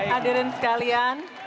terima kasih kehadiran sekalian